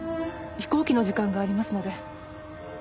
飛行機の時間がありますので。